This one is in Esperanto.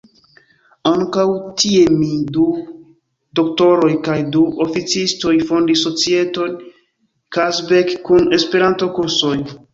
Ankaŭ tie mi, du doktoroj kaj du oficistoj fondis societon "Kazbek" kun Esperanto-kursoj.